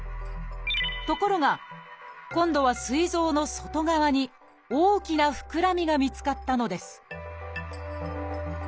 ところが今度はすい臓の外側に大きな膨らみが見つかったのです